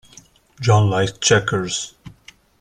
John likes checkers.